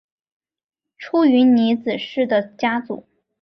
出云尼子氏的家祖。